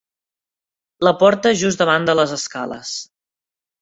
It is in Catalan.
La porta just davant de les escales.